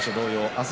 明日